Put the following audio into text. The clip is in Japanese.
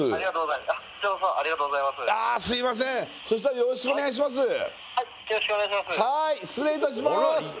そしたらよろしくお願いします